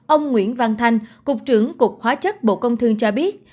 ông nguyễn văn thanh cục trưởng cục hóa chất bộ công thương cho biết